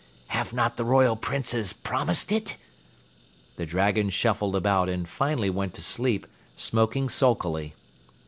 Have not the Royal Princes promised it?" The dragon shuffled about and finally went to sleep, smoking sulkily.